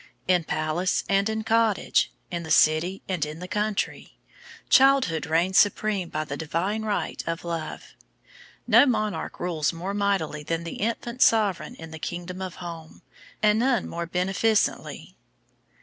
In palace and in cottage, in the city and in the country, childhood reigns supreme by the divine right of love. No monarch rules more mightily than the infant sovereign in the Kingdom of Home, and none more beneficently.